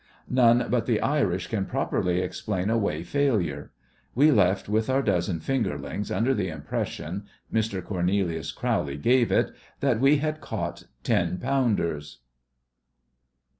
None but the Irish can properly explain away failure. We left with our dozen fingerlings, under the impression—Mister Cornelius Crowley gave it—that we had caught ten pounders.